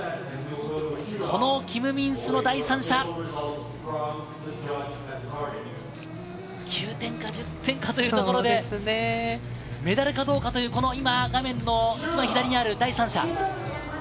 このキム・ミンスの第３射、９点か１０点かというところで、メダルかどうかという、今画面の左にある第３射。